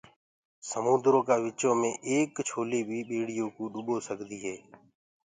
سموندرو ڪآ وچو مي ايڪ لهر بي ٻيڙي ڏُٻو سڪدي هي۔